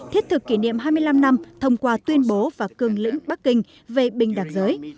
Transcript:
thiết thực kỷ niệm hai mươi năm năm thông qua tuyên bố và cương lĩnh bắc kinh về bình đẳng giới